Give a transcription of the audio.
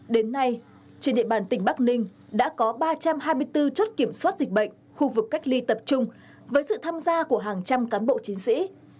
đến nay trên địa bàn tỉnh bắc ninh đã có ba trăm hai mươi bốn chốt kiểm soát dịch bệnh khu vực cách ly tập trung với sự tham gia của hàng trăm cán bộ chiến sĩ